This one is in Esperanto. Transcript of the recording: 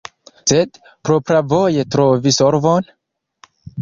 Sed propravoje trovi solvon?